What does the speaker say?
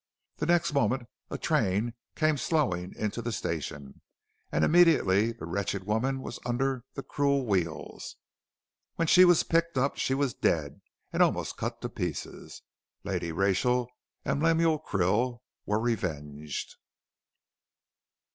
The next moment a train came slowing into the station, and immediately the wretched woman was under the cruel wheels. When she was picked up she was dead and almost cut to pieces. Lady Rachel and Lemuel Krill were revenged.